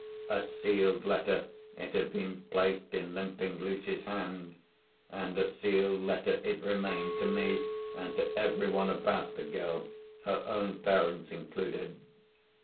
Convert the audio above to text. A sealed letter it had been placed in Limping Lucy's hand, and a sealed letter it remained to me and to everyone about the girl, her own parents included.